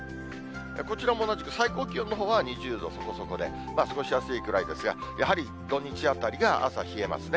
こちらも同じく、最高気温のほうは２０度そこそこで、過ごしやすいくらいですが、やはり、土日あたりが朝冷えますね。